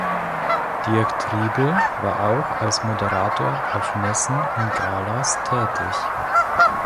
Dirk Triebel war auch als Moderator auf Messen und Galas tätig.